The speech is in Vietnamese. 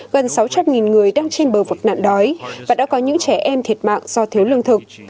gần sáu trăm linh người đang trên bờ vực nạn đói và đã có những trẻ em thiệt mạng do thiếu lương thực